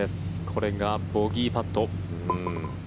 これがボギーパット。